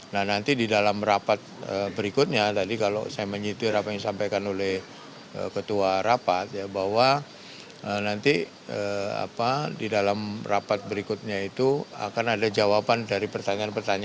nah nanti di dalam rapat berikutnya tadi kalau saya menyitir apa yang disampaikan oleh ketua rapat ya bahwa nanti di dalam rapat berikutnya itu akan ada jawaban dari pertanyaan pertanyaan